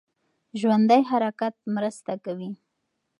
ژوندی حرکت مرسته کوي.